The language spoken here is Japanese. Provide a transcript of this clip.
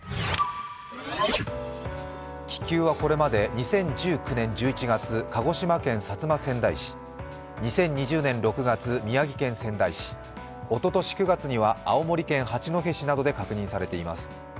気球はこれまで２０１９年１１月、鹿児島県薩摩川内市、２０２０年６月、宮城県仙台市、おととし９月には青森県八戸市などで確認されています。